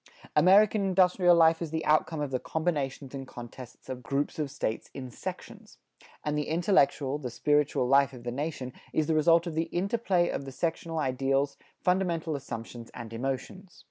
American industrial life is the outcome of the combinations and contests of groups of States in sections. And the intellectual, the spiritual life of the nation is the result of the interplay of the sectional ideals, fundamental assumptions and emotions.